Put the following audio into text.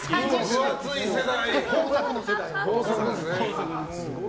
分厚い世代。